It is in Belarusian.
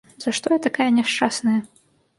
За што я такая няшчасная?